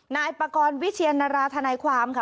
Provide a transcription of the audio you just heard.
นายปกรณ์วิทยานราธนาความค่ะ